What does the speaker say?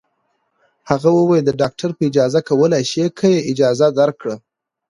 هغې وویل: د ډاکټر په اجازه کولای شې، که یې اجازه درکړه.